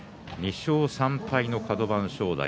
２勝３敗のカド番正代